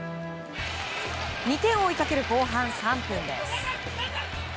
２点を追いかける後半３分です。